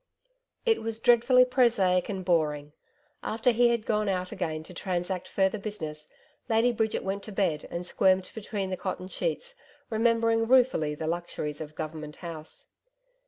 It was dreadfully prosaic and boring. After he had gone out again to transact further business, Lady Bridget went to bed and squirmed between the cotton sheets, remembering ruefully the luxuries of Government House.